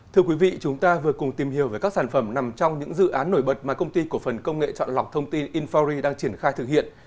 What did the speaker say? thưa quý vị chúng ta vừa cùng tìm hiểu về các sản phẩm nằm trong những dự án nổi bật mà công ty cổ phần công nghệ chọn lọc thông tin infori đang triển khai thực hiện